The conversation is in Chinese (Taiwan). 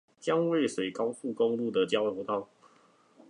蔣渭水高速公路的交流道